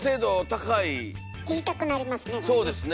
言いたくなりますねこれね。